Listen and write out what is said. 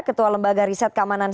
ketua lembaga riset kamanan